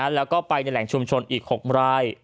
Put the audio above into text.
แล้วก็ไปในแหล่งชุมชนอีก๖ราย